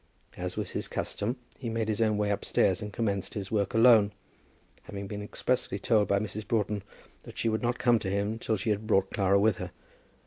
As was his custom, he made his own way upstairs and commenced his work alone, having been expressly told by Mrs. Broughton that she would not come to him till she brought Clara with her.